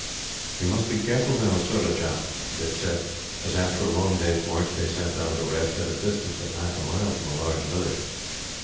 "We must be careful now, Surajah," Dick said, as, after a long day's march, they sat down to rest, at a distance of half a mile from a large village.